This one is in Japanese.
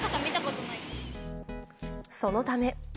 そのため。